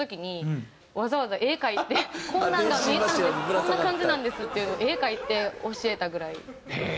こんな感じなんですっていうのを絵描いて教えたぐらい。